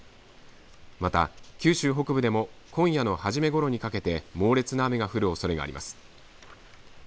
また九州北部でも今夜の初めごろにかけて猛烈な雨が降るおそれがあります。